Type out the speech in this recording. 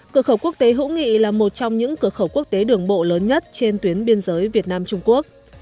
cửa khẩu quốc tế hữu nghị là một trong những cửa khẩu quốc tế đường bộ lớn nhất trên tuyến biên giới việt nam trung quốc